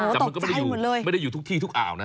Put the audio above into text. จำมันก็ไม่ได้อยู่ทุกที่ทุกอ่าวนะ